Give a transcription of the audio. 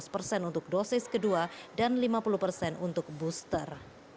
satu ratus enam belas persen untuk dosis kedua dan lima puluh persen untuk booster